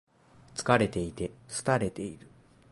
疲れていて、寂れている。